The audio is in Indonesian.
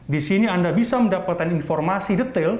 di sini anda bisa mendapatkan informasi detail